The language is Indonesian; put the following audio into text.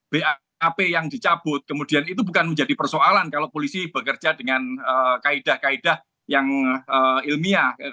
bap yang dicabut kemudian itu bukan menjadi persoalan kalau polisi bekerja dengan kaedah kaedah yang ilmiah